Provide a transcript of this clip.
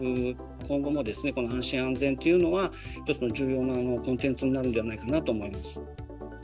今後も、この安心・安全というのは、一つの重要なコンテンツになるのではないかなと思います。